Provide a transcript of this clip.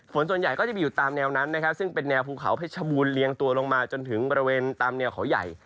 ส่วนใหญ่ก็จะไปอยู่ตามแนวนั้นนะครับซึ่งเป็นแนวภูเขาเพชรบูรณเรียงตัวลงมาจนถึงบริเวณตามแนวเขาใหญ่